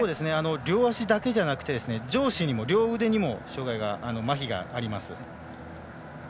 両足だけじゃなくて上肢両腕にも、まひがあります。